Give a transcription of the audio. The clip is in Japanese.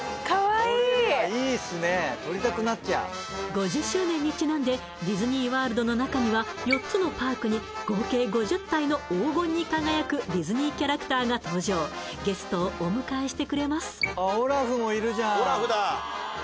５０周年にちなんでディズニー・ワールドの中には４つのパークに合計５０体の黄金に輝くディズニーキャラクターが登場ゲストをお迎えしてくれます